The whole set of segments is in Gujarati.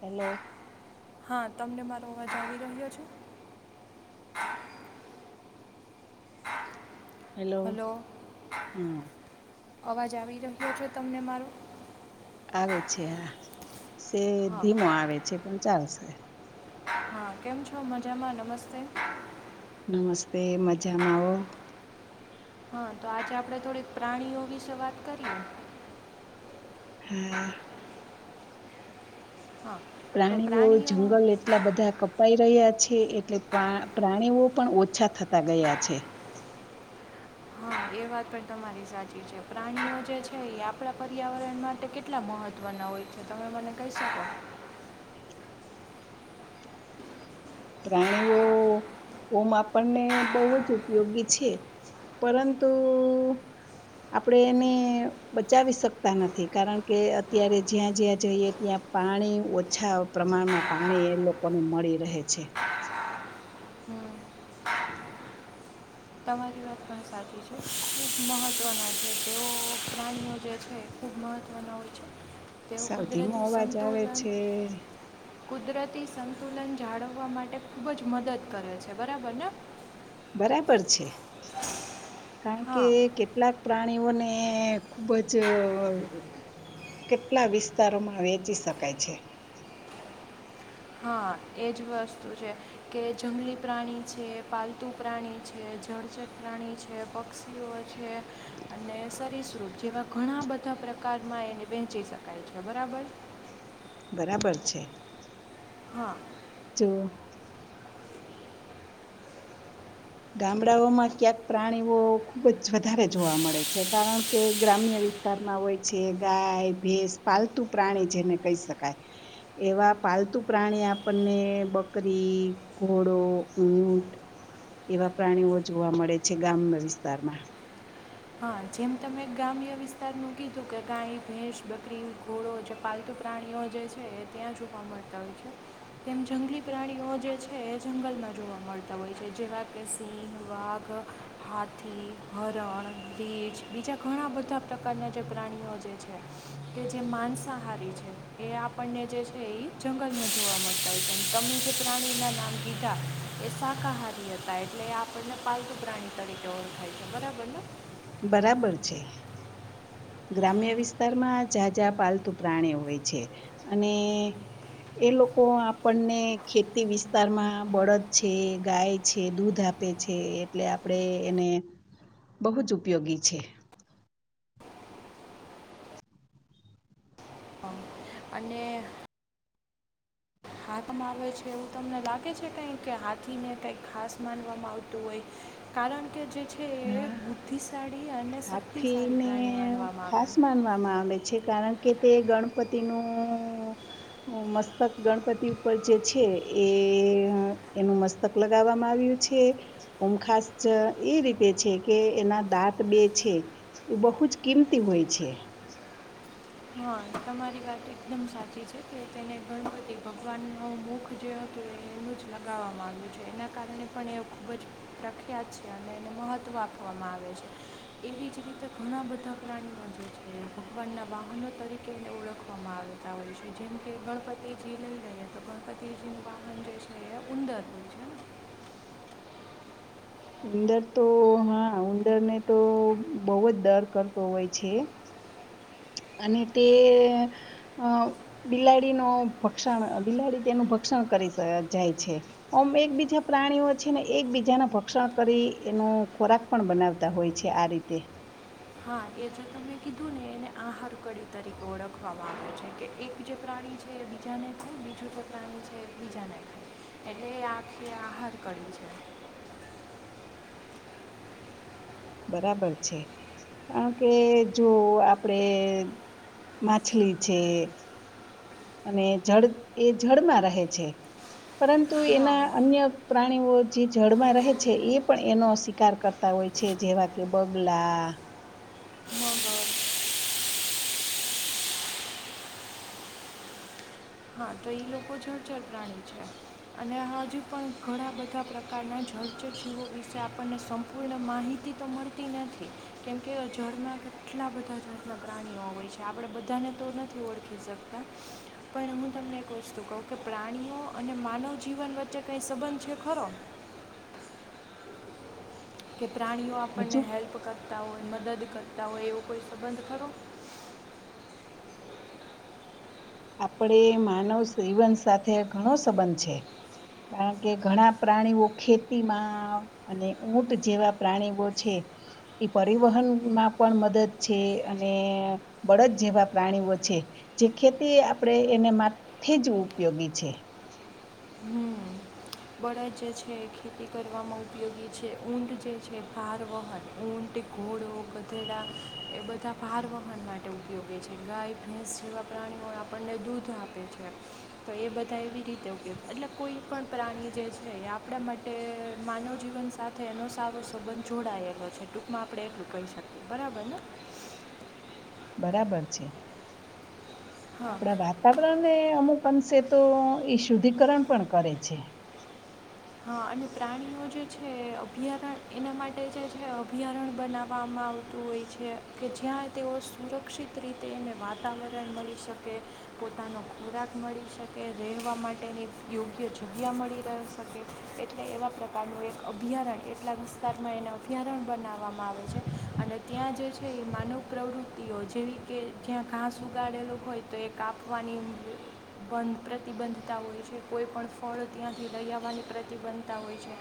હેલો હા તમને મારો અવાજ આવી રહ્યો છે હેલો હલો હા અવાજ આવી રહ્યો છે તમને મારો આવે છે હા સે હા ધીમો આવે છે પણ ચાલશે હા કેમ છો મજામાં નમસ્તે નમસ્તે મજામાં આવો હા તો આજે આપડે થોડીક પ્રાણીઓ વિશે વાત કરીએ હમ. હા તો પ્રાણીઓ જંગલ એટલા બધા કપાઈ રહ્યા છે એટલે પ્રાણીઓ પણ ઓછા થતા ગયા છે. હા એ વાત પણ તમારી સાચી છે પ્રાણીઓ જે છે એ આપણા પર્યાવરણ માટે કેટલા મહત્વના હોય છે તમે મને કહી શકો પ્રાણીઓ હોમ આપણને બવ જ ઉપયોગી છે પરંતુ આપડે એને બચાવી શકતા નથી કારણ કે અત્યારે જ્યાં જ્યાં જઈએ ત્યાં પાણી ઓછા પ્રમાણમાં પાણી એ લોકોને મળી રહે છે. તમારી વાત પણ સાચી છે ખુબ મહત્વના છે તેઓ પ્રાણીઓ જે છે ખુબ મહત્વના હોય છે તેઓ સાવ ધીમો કુદરતી અવાજ આવે સંતુલન છે કુદરતી સંતુલન જાળવવા માટે ખૂબ જ મદદ કરે છે બરાબરને બરાબર છે કારણ કે હા કેટલાક પ્રાણી પ્રાણીઓને ખુબ જ કેટલા વિસ્તારોમાં વેચી શકાય છે હા એજ વસ્તુ છે કે જંગલી પ્રાણી છે પાલતુ પ્રાણી છે જળચત પ્રાણી છે પક્ષીઓ છે અને સરીસૃપ જેવા ઘણા બધા પ્રકારમાં એને વેંચી શકાય છે બરાબર બરાબર છે હા જો ગામડાઓમાં ક્યાંક પ્રાણીઓ ખૂબ જ વધારે જોવા મળે છે કારણ કે ગ્રામ્ય વિસ્તારમાં હોય છે ગાય ભેસ પાલતુ પ્રાણી જેને કહી શકાય એવા પાલતુ પ્રાણી આપણને બકરી ઘોડો ઊંટ એવા પ્રાણીઓ જોવા મળે છે ગામના વિસ્તારમાં હા જેમ તમે ગ્રામ્ય વિસ્તારનું કીધું કે ગાય ભેંસ બકરી ઘોડો જે પાલતુ પ્રાણીઓ જે છે એ ત્યાં જોવા મળતા હોય છે તેમ જંગલી પ્રાણીઓ જે છે એ જંગલમાં જોવા મળતા હોય છે જેવા કે સિંહ વાઘ હાથી હરણ રીછ બીજા ઘણા બધા પ્રકારના જે પ્રાણીઓ જે છે કે જે માસાહારી છે એ આપણને જે છે એ જંગલમાં જોવા મળતા હોય છે અને તમે જે પ્રાણીના નામ કીધા એ શાકાહારી હતા એટલે એ આપણને પાલતુ પ્રાણી તરીકે ઓળખાય છે બરાબર ને બરાબર છે ગ્રામ્ય વિસ્તારમાં જાં જાાં પાલતુ પ્રાણીઓ હોય છે અને એ લોકો આપણને ખેતી વિસ્તારમાં બળદ છે ગાય છે દૂધ આપે છે એટલે આપણેે એને બહુજ ઉપયોગી છે અને હાથીમાં આવે છે એવું તમને લાગે છે કંઈ કે હાથીને કંઈક ખાસ માનવામાં આવતું હોય કારણ કે કે જે છે એ હા બુદ્ધિશાળી અને શક્તિશાળી હાથીને પ્રાણી માનવામાં ખાસ આવ્યા માનવામાં આવે છે કારણ કે તે ગણપતિ નું મસ્તક ગણપતિ ઉપર જે છે એ એનું મસ્તક લગાવવામાં આવ્યું છે ઓમખાસ એ રીતે છે કે એના દાંત બે છે એ બહુ જ કિંમતી હોય છે હા તમારી વાત એકદમ સાચી છે કે તેને ગણપતિ ભગવાનનો મુખ જે હતું એ એનું જ લગાવવામાં આવ્યું છે એના કારણે પણ એ ખૂબ જ પ્રખ્યાત છે અને એને મહત્વ આપવામાં આવે છે એવી જ રીતે ઘણા બધા પ્રાણીઓ જે છે ભગવાનના વાહનો તરીકેને ઓળખવામાં આવતા હોય છે જેમ કે ગણપતિજી લઈ લઈએ તો ગણપતિજી નું વાહન જે છે એ ઉંદર હોય છે ઉંદર તો હા ઉંદરને તો બહુ જ ડર કરતો હોય છે અને તે અ બિલાડી ન ભક્ષણ બિલાડી તેનું ભક્ષણ કરી જાય છે આમ એકબીજા પ્રાણીઓ છે ને એકબીજાના ભક્ષણ કરી એનો ખોરાક પણ બનાવતા હોય છે આ રીતે હા એ જે તમે કીધું ને એને આહાર કડી તરીકે ઓળખવામાં આવ્યો છે કે એક જે પ્રાણી છે એ બીજાને ખાય બીજું જે પ્રાણી છે બીજાને ખાય એટલે આખી આહાર કડી છે બરાબર છે કારણ કે જો આપડે માછલી છે અને જળ એ જળમાં રહે છે પરંતુ હા એના અન્ય પ્રાણીઓ જે જળમાં રહે છે એ પણ એનો શિકાર કરતા હોય છે જેવા કે બગલા મગર હા તો એ લોકો જળચર પ્રાણી છે અને હજુ પણ ઘણા બધા પ્રકારના જળચરજીવો વિશે આપણને સંપૂર્ણ માહિતી તો મળતી નથી કેમકે જળના કેટલા બધા જળના પ્રાણીઓ હોય છે આપણે બધાને તો નથી ઓળખી શકતા પણ હું તમને એક વસ્તુ કહું કે પ્રાણીઓ અને માનવ જીવન વચ્ચે કંઈ સંબંધ છે ખરો કે પ્રાણીઓ આપણને હજુ હેલ્પ કરતા હોય મદદ કરતા હોય એવો કોઈ સંબંધ ખરો આપડે માનવ જીવન સાથે ઘણો સબંધ છે કારણ કે ઘણા પ્રાણીઓ ખેતીમાં અને ઊંટ જેવા પ્રાણીઓ છે એ પરિવહનમાં પણ મદદ છે અને બળદ જેવા પ્રાણીઓ છે જે ખેતી આપડે એને માથે જ ઉપયોગી છે હમ બળદ જે છે ખેતી કરવામાં ઉપયોગી છે ઊંટ જે છે ભારવહન ઊંટ ઘોડો ગધેડા એ બધા ભારવહન માટે ઉપયોગી છે ગાય ભેંસ જેવા પ્રાણીઓ આપણને દૂધ આપે છે તો એ બધા એવી રીતે ઉપયોગ એટલે કોઈ પણ પ્રાણી જે છે એ આપડા માટે માનવ જીવન સાથે એનો સારો સબંધ જોડાયેલો છે ટૂંકમાં આપણે એટલું કહી શકીએ બરાબર ને બરાબર છે હા આપડા વાતાવરણ ને અમુક અંશે તો એ શુદ્ધિકરણ પણ કરે છે હા અને પ્રાણીઓ જે છે અભયારણ એના માટે જે છે અભયારણ બનાવવામાં આવતું હોય છે કે જ્યાં તેઓ સુરક્ષિત રીતે ને વાતાવરણ મળી શકે પોતાનો ખોરાક મળી શકે રહેવા માટેની યોગ્ય જગ્યા મળી રહે શકે એટલે એવા પ્રકારનું એક અભયારણ એટલા વિસ્તારમાં એના અભયારણ બનાવવામાં આવે છે અને ત્યાં જે છે એ માનવ પ્રવૃત્તિઓ જેવી કે જ્યાં ઘાસ ઉગાડેલો હોય તો એ કાપવાની બંધ પ્રતિબંધતા હોય છે કોઈ પણ ફળ ત્યાંથી લઈ આવ વાની પ્રતિબંધતા હોય છે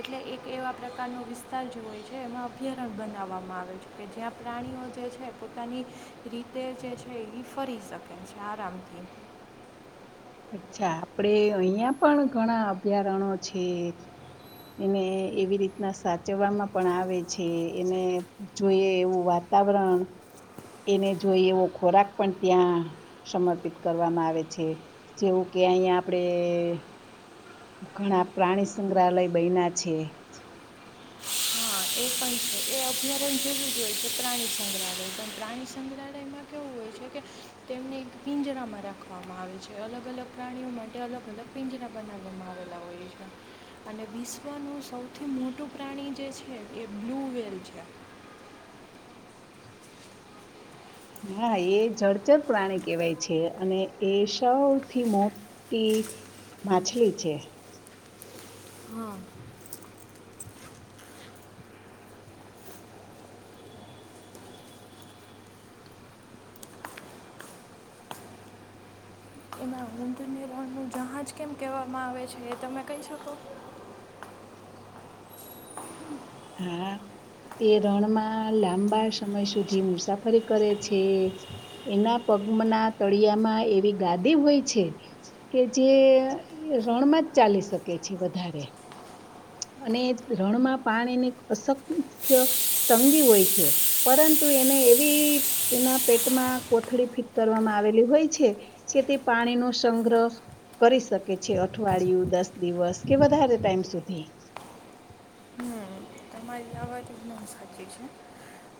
એટલે એક એવા પ્રકારનો વિસ્તાર જે હોય છે એમાં અભયારણ્ય બનાવવામાં આવે છે કે જ્યાં પ્રાણીઓ જે છે પોતાની રીતે જે છે ફરી શકે છે આરામથી અચ્છા આપડે અહીંયા પણ ઘણા અભયારણો છે એને એવી રીતના સાચવવામાં પણ આવે છે એને જોઈએ એવું વાતાવરણ એને જોઈએ એવો ખોરાક પણ ત્યાં સમર્પિત કરવામાં આવે છે જેવું કે અહીયા આપડે ઘણા પ્રાણી સંગ્રહાલય બયના છે હા એ પણ છે એ અભયારણ જેવું જ હોય છે પ્રાણી સંગ્રહાલય પણ પ્રાણી સંગ્રહાલયમાં કેવું હોય છે કે તેમને એક પિંજરામાં રાખવામાં આવે છે અલગ અલગ પ્રાણીઓ માટે અલગ અલગ પિંજરા બનાવવામાં આવેલા હોય છે અને વિશ્વનું સૌથી મોટું પ્રાણી જે છે એ બ્લુ વેલ છે હા એ જળચર પ્રાણી કેહેવાય છે અને એ સૌથી મોટીટી માછલી છે હા એમાં ઉંટની રણનું જહાજ કેમ કહેવામાં આવે છે એ તમે કહી શકો હા તે રણમાં લાંબા સમય સુધી મુસાફરી કરે છે એના પગમના તળિયામાં એવી ગાદી હોય છે કે જે રણમાં જ ચાલી શકે છે વધારે અને રણમાં પાણીની અસંખ્ય તંગી હોય છે પરંતુ એને એવી એના પેટમાં કોથળી ફીટ કરવામાં આવેલી હોય છે કે તે પાણી નો સંગ્રહ કરી શકે છે અઠવાડિયું દસ દિવસ કે વધારે ટાઈમ સુધી હમ તમારી આ વાત એકદમ સાચી છે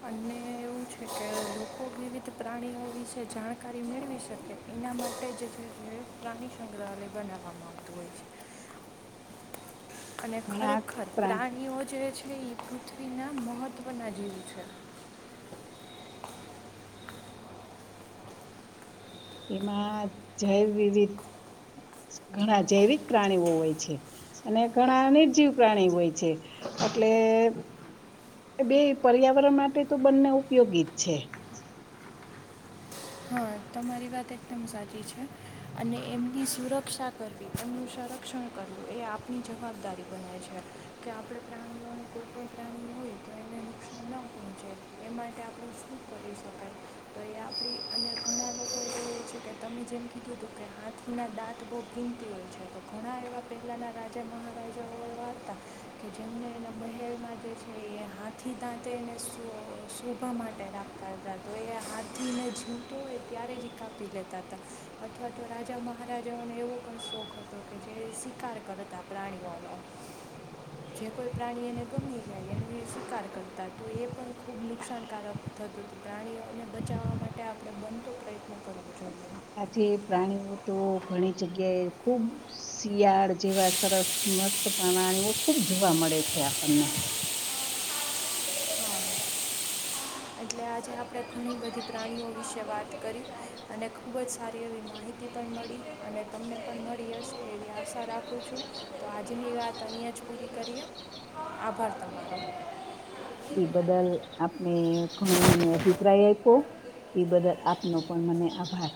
અને એવું છે કે લોકો વિવિધ પ્રાણીઓ વિશે જાણકારી મેળવી શકે એના માટે જ છે એ પ્રાણી સંગ્રહાલય બનાવવામાં આવતું હોય છે અને ઘણા ખરેખર પ્રા પ્રાણીઓ જે છે છે ઇ પૃથ્વીના મહત્ત્વના જીવ છે એમાં જૈવ વિવિધ ઘણા જૈવિક પ્રાણીઓ હોય છે અને ઘણા નિર્જીવ પ્રાણી હોય છે એટલે બેય પર્યાવરણ માટે તો બંને ઉપયોગી જ છે હા તમારી વાત એકદમ સાચી છે અને એમની સુરક્ષા કરવી એમનું સરક્ષણ કરવું એ આપની જવાબદારી બને છે કે આપણે પ્રાણીઓનું કોઈ પ્રાણી હોય તો એને નુકસાન ન પહોંચે એ માટે આપણે શું કરી શકાય તો એ આપડી અને ઘણા લોકો એવુ જ કે તમે જેમ કીધુંતું કે હાથીના દાંત બહુ કિંમતી હોય છે તો ઘણા એવા પહેલાંના રાજા મહારાજાઓ એવા હતા કે જેમને એના મહેલમાં જે છે એ હાથી દાંતે એને શો શોભા માટે રાખતા હતા તો એ હાથીને જીવ તો હોય ત્યારે જ કાપી લેતાતા અથવા તો રાજા મહારાજાઓનો એવો પણ શોખ હતો કે જે શિકાર કરતા પ્રાણીઓનો જે કોઈ પ્રાણી એને ગમી જાય એનો એ શિકાર કરતા તો એ પણ ખૂબ નુકસાનકારક થતુંતું પ્રાણીઓને બચાવવા માટે પડે બનતો પ્રયત્ન કરવો જોઈએ આજે પ્રાણીઓ તો ઘણી જગ્યાએ ખુબ શિયાળ જેવા સરસ મસ્ત પ્રાણીઓ ખુબ જોવા મળે છે આપણને એટલે આજે આપણે ઘણી બધી પ્રાણીઓ વિશે વાત કરી અને ખૂબ જ સારી એવી માહિતી પણ મળી અને તમને પણ મળી હશે એવી આશા રાખું છું તો આજની વાત અહીંયા જ પૂરી કરીએ આભાર તમારો એ બદલ આપને ઘણો મને અભિપ્રાય આયપો એ બદલ આપનો પણ મને આભાર